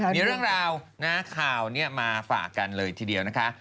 มีเรื่องราวนะข่าวนี้มาฝากกันเลยทีเดียวนะคะ